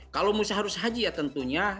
kalau misalnya harus haji ya tentunya